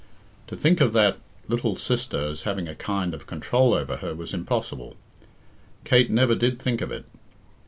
To think of that little sister as having a kind of control over her was impossible. Kate never did think of it.